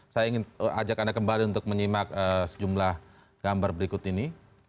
saya ingin ajak anda kembali untuk menyimak sejumlah gambar berikut ini